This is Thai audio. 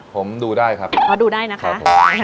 ผมดูได้ครับขอดูได้นะคะ